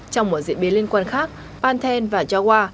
trong một diễn biến liên quan khác panthen và jawa